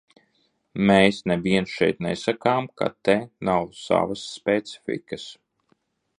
Mēs neviens šeit nesakām, ka te nav savas specifikas.